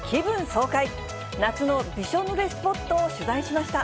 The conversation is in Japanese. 爽快、夏のびしょぬれスポットを取材しました。